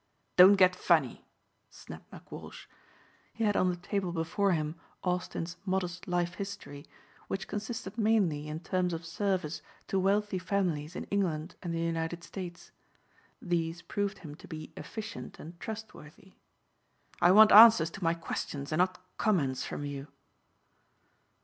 "Don't get funny," snapped McWalsh. He had on the table before him Austin's modest life history which consisted mainly in terms of service to wealthy families in England and the United States. These proved him to be efficient and trustworthy. "I want answers to my questions and not comments from you."